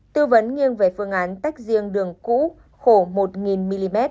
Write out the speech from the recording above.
tư vấn nghiêng về phương án tách riêng đường cũ khổ một mm